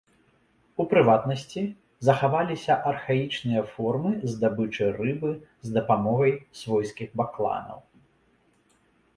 У прыватнасці, захаваліся архаічныя формы здабычы рыбы з дапамогай свойскіх бакланаў.